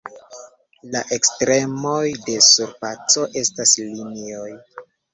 La ekstremoj de surfaco estas linioj.